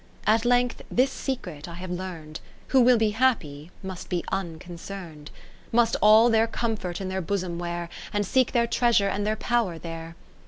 At length this secret I have learn'd ; Who will be happy, must be uncon cern'd, Must all their comfort in their bosom wear. And seek their treasure and their power there.